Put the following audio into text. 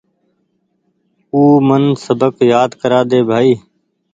آو من سبق يآد ڪرآ ۮي بآئي